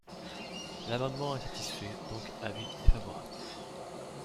L’amendement est satisfait donc avis défavorable.